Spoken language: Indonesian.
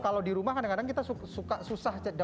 kalau di rumah kadang kadang kita susah mendapatkan gelatin ya